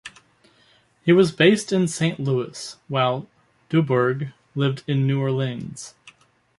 He was based in Saint Louis, while Dubourg lived in New Orleans.